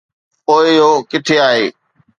پوء اهو ڪٿي آهي؟